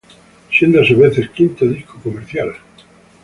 Siendo a su vez el quinto disco comercial.